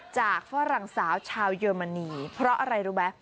ฝรั่งสาวชาวเยอรมนีเพราะอะไรรู้ไหม